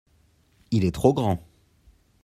il est trop grand.